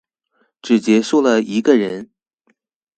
只結束了一個人